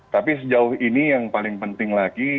tapi sejauh ini yang paling penting lagi